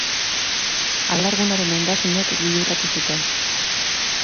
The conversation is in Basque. Alargunaren ondasunek liluratu zuten.